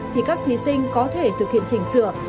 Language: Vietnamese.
thì các thí sinh có thể thực hiện chỉnh sửa